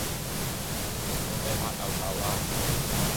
做咩發漚豆呀？